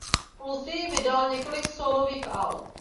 Později vydal několik sólových alb.